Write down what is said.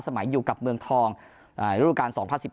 สมัยอยู่กับเมืองทองรูปการณ์๒๐๑๖